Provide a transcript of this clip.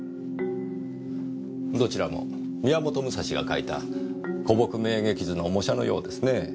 どちらも宮本武蔵が描いた『古木鳴鵙図』の模写のようですねぇ。